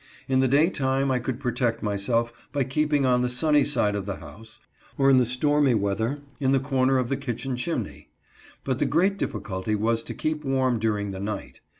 In the day time I could protect myself by keeping on the sunny side of the house, or, in stormy weather, in the corner of the kitchen chimney. But the great difficulty was to keep warm during the night.